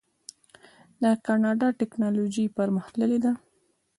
د کاناډا ټیکنالوژي پرمختللې ده.